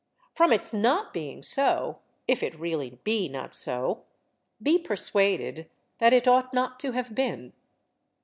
From its not being so, if it really be not so, be persuaded that it ought not to have been.